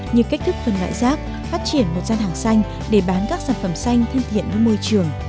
như cách thức phân loại rác phát triển một gian hàng xanh để bán các sản phẩm xanh thân thiện với môi trường